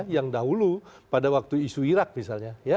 yang dahulu pada waktu isu irak misalnya